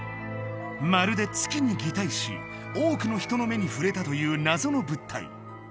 まるで月に擬態し多くの人の目に触れたという謎の物体